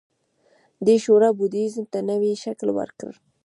دې شورا بودیزم ته نوی شکل ورکړ